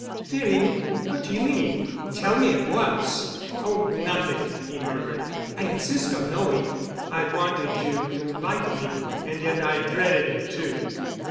"Fearing it? What do you mean? Tell me at once." "Oh, nothing," he murmured. "I insist on knowing." "I wanted you to like me—and yet I dreaded it, too."